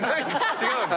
違うんだ。